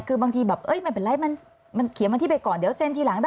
คือบางทีแบบไม่เป็นไรมันเขียนวันที่ไปก่อนเดี๋ยวเซ็นทีหลัง